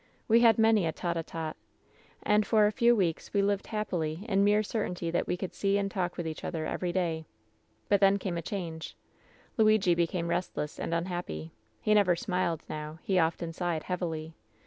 We liad many a tete a tete. And for a few weeks we lived hap pily in mere certainty that we could see and talk with each other every day. But then came a change. "Lui^ became restless and unhappy. He never smiled now. He often sighed heavily.